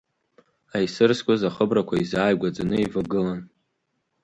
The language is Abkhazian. Аисыр зқәыз ахыбрақәа еизааигәаӡаны еивагылан.